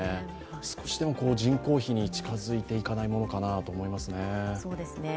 少しでも人口比に近付いていかないものかなと思いますね。